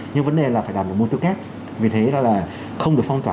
nhưng vấn đề là phải đặt mục tiêu kết